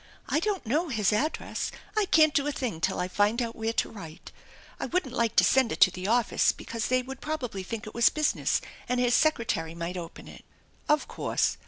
I don't know his address. I can't do a thing till I find out where to write. I wouldn't like to send it to the office because they would probably think it was business and his secretary might open it." " Of course.